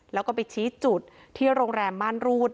แล้วก็ไปชี้จุดที่โรงแรมม่านรูด